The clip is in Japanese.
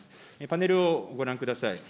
パネルをご覧ください。